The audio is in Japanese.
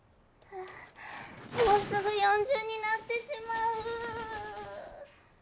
もうすぐ４０になってしまう